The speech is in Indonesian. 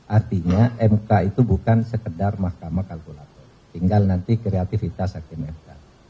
artinya mk itu bukan sekedar mahkamah kalkulator tinggal nanti kreativitas akhirnya